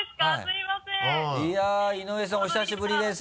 いや井上さんお久しぶりです。